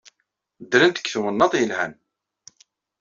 Ddrent deg twennaḍt yelhan.